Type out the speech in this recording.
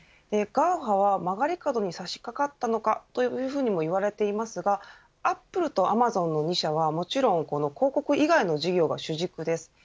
ＧＡＦＡは曲がり角に差しかかったのかというふうにも言われていますがアップルとアマゾンの２社はもちろん広告以外の事業が主軸です。